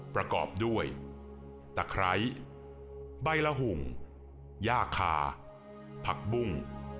ประกอบด้วยตะไคร้ใบละหุ่งย่าคาผักบุ้ง